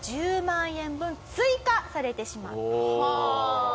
１０万円分追加されてしまう。